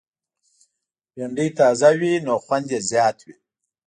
بېنډۍ تازه وي، نو خوند یې زیات وي